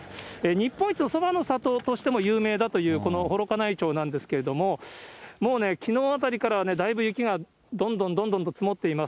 日本一のの里としても、有名だというこの幌加内町なんですけれども、もうきのうあたりからだいぶ雪がどんどんどんどん積もっています。